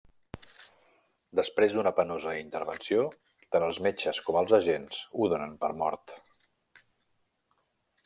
Després d'una penosa intervenció, tant els metges com els agents ho donen per mort.